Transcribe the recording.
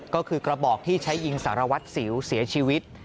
ก็คือกระบอกที่ใช้ยิงสารวัตรสิวเสียชีวิต